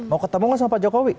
mau ketemu gak sama pak jokowi